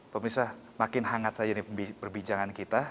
pemirsa makin hangat saja nih perbincangan kita